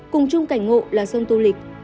cùng chung cảnh ngộ là sông tô lịch